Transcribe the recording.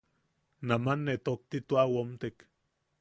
Naman ne tokti tua womtek.